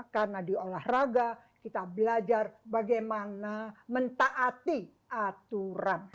karena di olahraga kita belajar bagaimana mentaati aturan